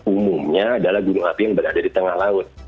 umumnya adalah gunung api yang berada di tengah laut